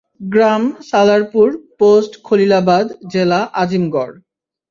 গ্রামঃ Salarpur, পোষ্টঃ খালিলাবাদ জেলাঃ আজিমগড়।